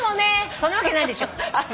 そんなわけないでしょ。